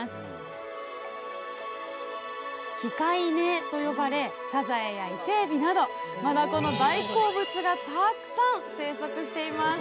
器械根と呼ばれサザエやイセエビなどマダコの大好物がたくさん生息しています。